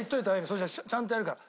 そしたらちゃんとやるから。